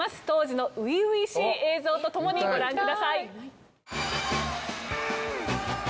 当時の初々しい映像と共にご覧ください。